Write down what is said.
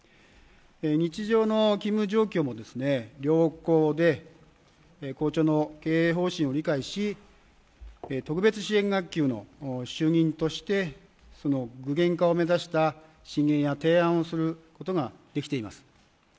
日常の勤務状況も良好で校長の経営方針を理解し特別支援学級の主任として具現化を目指した進言や提案をすることができています。